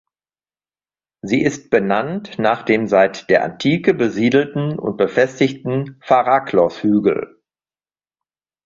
Sie ist benannt nach dem seit der Antike besiedelten und befestigten Faraklos-Hügel.